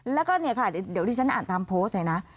แล้วก็เนี่ยค่ะเดี๋ยวที่ฉันอ่านตามโพสต์เลยนะ